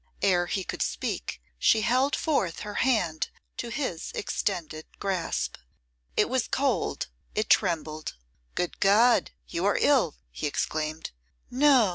Ere he could speak she held forth her hand to his extended grasp. It was cold, it trembled. 'Good God! you are ill!' he exclaimed. 'No!